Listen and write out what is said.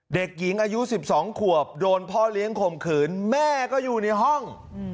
เด็กหญิงอายุ๑๒ขวบโดนพ่อเลี้ยงข่มขืนแม่ก็อยู่ในห้อง